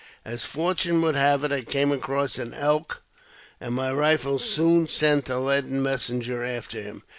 As Fortune would have it, I came across an elk, and my rifle soon sent a leaden messenger after him.